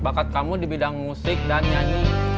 bakat kamu di bidang musik dan nyanyi